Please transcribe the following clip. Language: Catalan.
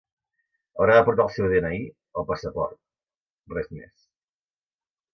Haurà de portar el seu de-ena-i o passaport, res més.